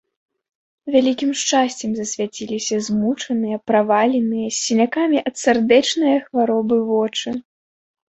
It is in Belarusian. Вялікім шчасцем засвяціліся змучаныя, праваленыя, з сінякамі ад сардэчнае хваробы вочы.